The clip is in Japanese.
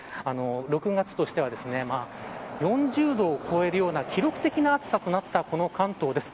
６月としては４０度を超えるような記録的な暑さとなったこの関東です。